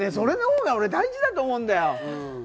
俺、それのほうが大事だと思うんだよ。